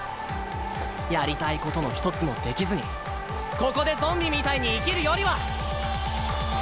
やりたいことの一つもできずにここでゾンビみたいに生きるよりは。